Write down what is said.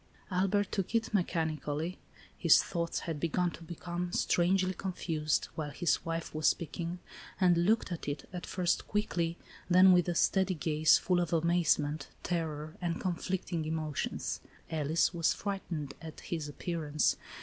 Albert took it mechanically, (his thoughts had begun to become strangely confused, while his wife was speaking) and looked at it, at first quickly, then with a steady gaze, full of amaze ment, terror and conflicting emotions. Alice was frightened at his appearance.